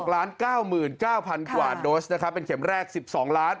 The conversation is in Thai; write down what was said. ๑๕๑๖ล้าน๑๖๙๙๙๐๐๐กว่าโดสนะครับเป็นเข็มแรก๑๒ล้าน